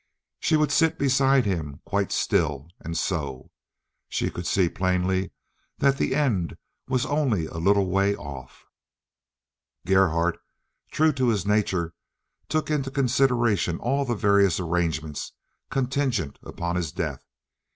She would sit beside him quite still and sew. She could see plainly that the end was only a little way off. Gerhardt, true to his nature, took into consideration all the various arrangements contingent upon his death.